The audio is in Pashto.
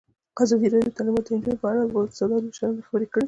ازادي راډیو د تعلیمات د نجونو لپاره په اړه د استادانو شننې خپرې کړي.